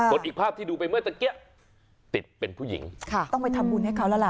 ส่วนอีกภาพที่ดูไปเมื่อตะกี้ติดเป็นผู้หญิงต้องไปทำบุญให้เขาแล้วล่ะ